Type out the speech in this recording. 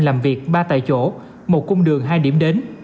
làm việc ba tại chỗ một cung đường hai điểm đến